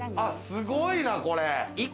すごいな、これ。